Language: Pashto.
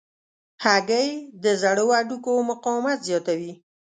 هګۍ د زړو هډوکو مقاومت زیاتوي.